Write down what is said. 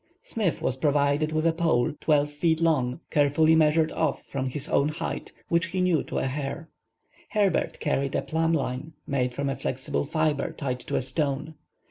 Smith was provided with a pole twelve feet long, carefully measured off from his own height, which he knew to a hair. Herbert carried a plumb line made from a flexible fibre tied to a stone.